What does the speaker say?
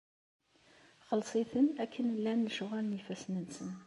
Xelleṣ-iten akken llan lecɣal n yifassen-nsen.